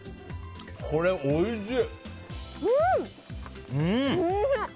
これ、おいしい！